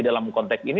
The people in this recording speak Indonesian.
dalam konteks ini